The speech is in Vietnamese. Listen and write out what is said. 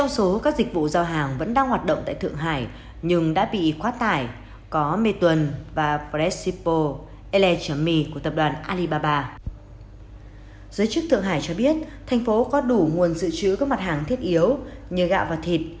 xin chào và hẹn gặp lại